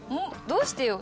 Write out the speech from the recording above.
どうしてよ？